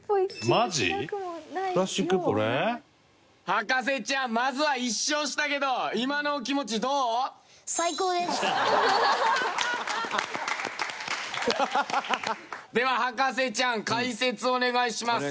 博士ちゃんまずは１勝したけど今のお気持ちどう？では博士ちゃん解説お願いします。